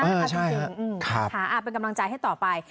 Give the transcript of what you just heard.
เออใช่ครับครับค่ะค่ะเป็นกำลังใจให้ต่อไป